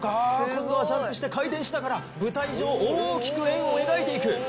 ああ今度はジャンプして回転しながら舞台上大きく円を描いていく。